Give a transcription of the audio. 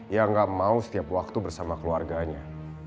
yang gak mau setiap waktu bersama keluarganya